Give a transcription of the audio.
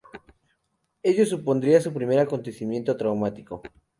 Ello supondría su primer acontecimiento traumático.